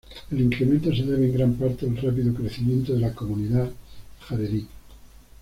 El incremento se debe en gran parte al rápido crecimiento de la comunidad jaredí.